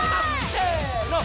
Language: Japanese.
せの。